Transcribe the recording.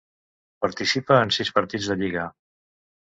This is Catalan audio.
Participa en sis partits de lliga.